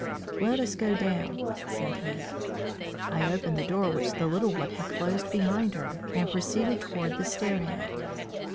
"Let us go down," said he. I opened the door which the little one had closed behind her, and proceeded toward the stair head.